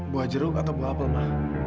buah jeruk atau buah apel ma